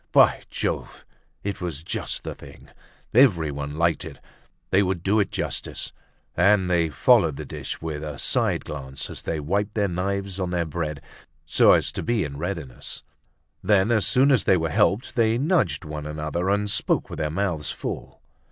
By Jove! It was just the thing! Everyone liked it. They would do it justice; and they followed the dish with a side glance as they wiped their knives on their bread so as to be in readiness. Then as soon as they were helped they nudged one another and spoke with their mouths full.